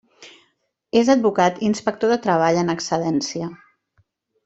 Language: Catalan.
És advocat i inspector de treball en excedència.